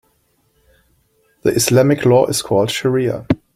The Islamic law is called shariah.